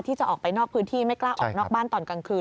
ที่จะออกไปนอกพื้นที่ไม่กล้าออกนอกบ้านตอนกลางคืน